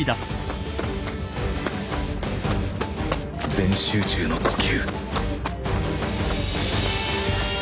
全集中の呼吸